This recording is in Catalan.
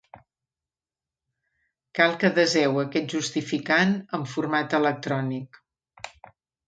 Cal que deseu aquest justificant en format electrònic.